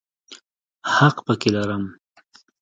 حق پکې لرم.